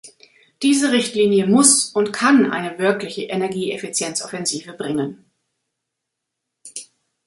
Diese Richtlinie muss und kann eine wirkliche Energieeffizienzoffensive bringen.